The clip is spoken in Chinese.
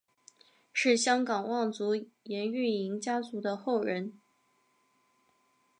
是香港望族颜玉莹家族的后人。